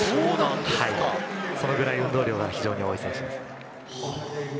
そのぐらい運動量が非常に多い選手です。